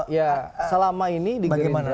ya selama ini di gerindra